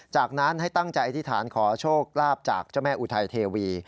จากนั้นให้ตั้งใจอธิษฐานขอโชคลาภจากเจ้าแม่อุทัยเทวี